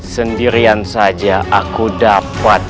sendirian saja aku dapat